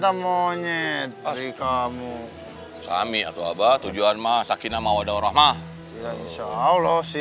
tolong dibuat list siapa saja yang diundang nanti di acara kami